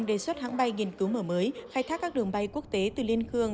lâm đồng đề xuất hãng bay nghiên cứu mở mở mới khai thác các đường bay quốc tế từ liên khương